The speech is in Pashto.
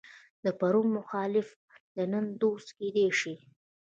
د پرون مخالف نن دوست کېدای شي.